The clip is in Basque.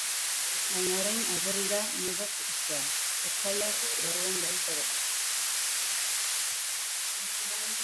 Baina orain alferrik da mugak ixtea, etsaia barruan baitago.